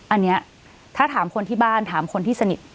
อันนี้ถ้าถามคนที่บ้านถามคนที่สนิท